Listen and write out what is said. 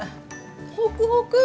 ホクホク！